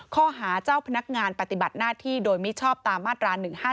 ข้อหาเจ้าพนักงานปฏิบัติหน้าที่โดยมิชอบตามมาตรา๑๕๗